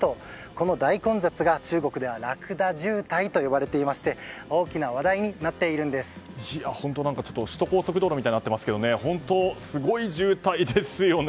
この大混雑が中国ではラクダ渋滞と呼ばれていまして首都高速道路みたいになっていますけど本当、すごい渋滞ですよね。